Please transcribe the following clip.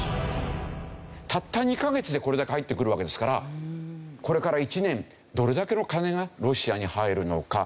たった２カ月でこれだけ入ってくるわけですからこれから１年どれだけの金がロシアに入るのか。